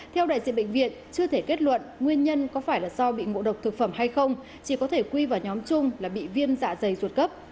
theo đại diện bệnh viện chưa thể kết luận nguyên nhân có phải là do bị ngộ độc thực phẩm hay không chỉ có thể quy vào nhóm chung là bị viêm dạ dày ruột cấp